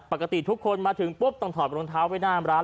ปกติทุกคนมาถึงปุ๊บต้องถอดรองเท้าไว้หน้าร้าน